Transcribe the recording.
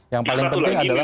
yang paling penting adalah